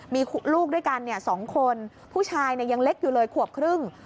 มีลูกด้วยกัน๒คนผู้ชายยังเล็กอยู่เลยขวบครึ่ง